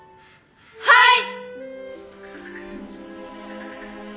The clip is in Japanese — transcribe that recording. はい！